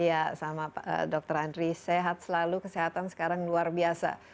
iya sama dokter andri sehat selalu kesehatan sekarang luar biasa